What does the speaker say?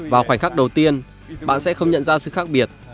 vào khoảnh khắc đầu tiên bạn sẽ không nhận ra sự khác biệt